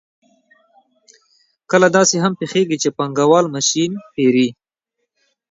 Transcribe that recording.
کله داسې هم پېښېږي چې پانګوال ماشین پېري